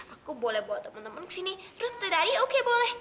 aku boleh bawa temen temen kesini terus kita dari oke boleh